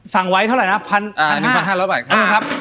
สั่งไว้เท่าไหร่นะ๑๕๐๐บาท